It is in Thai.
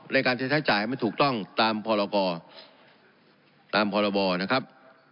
ในการใช้ใช้จ่ายมันถูกต้องตามพรบนะครับ